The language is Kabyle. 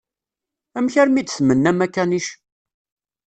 Amek armi i d-tmennam akanic?